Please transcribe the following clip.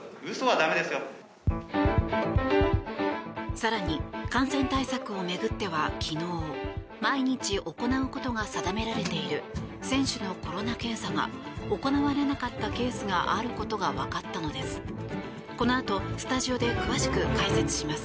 更に、感染対策を巡っては昨日毎日行うことが定められている選手のコロナ検査が行われなかったケースがあることがわかったのです。